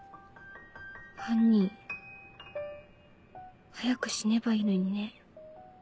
犯人早く死ねばいいのにね。